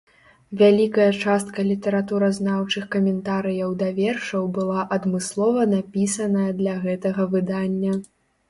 Вялікая частка літаратуразнаўчых каментарыяў да вершаў была адмыслова напісаная для гэтага выдання.